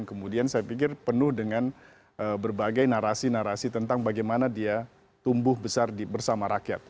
kemudian saya pikir penuh dengan berbagai narasi narasi tentang bagaimana dia tumbuh besar bersama rakyat